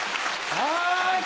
はい！